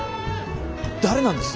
誰なんです？